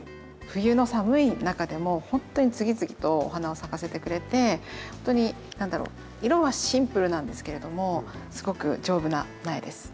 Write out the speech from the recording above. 冬の寒い中でもほんとに次々とお花を咲かせてくれてほんとに何だろう色はシンプルなんですけれどもすごく丈夫な苗です。